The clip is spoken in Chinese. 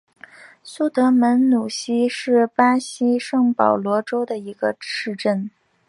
苏德门努西是巴西圣保罗州的一个市镇。